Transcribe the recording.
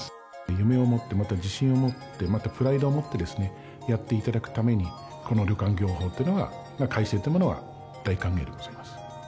夢を持って、また自信を持って、またプライドを持ってやっていただくために、この旅館業法というのは、改正というものは大歓迎でございます。